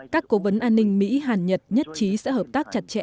các cố vấn an ninh mỹ hàn nhật nhất trí sẽ hợp tác chặt chẽ